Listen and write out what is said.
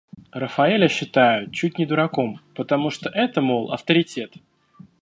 Рафаэля считают чуть не дураком, потому что это, мол, авторитет.